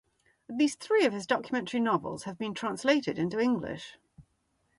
At least three of his documentary novels have been translated into English.